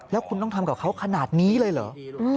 แล้วคุณต้องทำกับเขาขนาดนี้เลยเหรอ